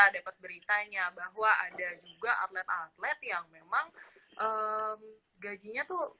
dapat beritanya bahwa ada juga atlet atlet yang memang gajinya tuh